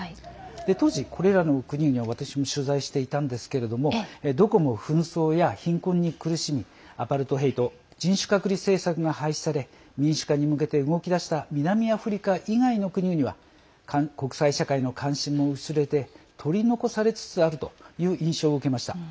当時、これらの国々は私も取材していたんですがどこも紛争や貧困に苦しみアパルトヘイト＝人種隔離政策が廃止され民主化に向けて動き出した南アフリカ以外の国々は国際社会の関心も薄れて取り残されつつあるという印象を受けました。